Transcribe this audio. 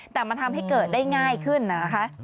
แต่มันทำให้เกิดได้ง่ายขึ้นนะคะ